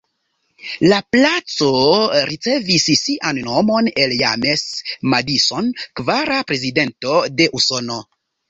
La placo ricevis sian nomon el James Madison, kvara Prezidento de Usono.